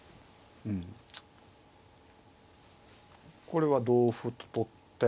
これは同歩と取って。